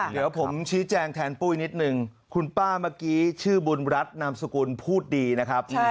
เดี๋ยวผมชี้แจงแทนปุ้ยนิดนึงคุณป้าเมื่อกี้ชื่อบุญรัฐนามสกุลพูดดีนะครับ